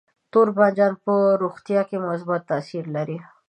تور بانجان په روغتیا کې مثبت تاثیر لري.